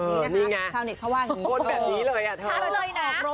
อะไร๔๘นะครับ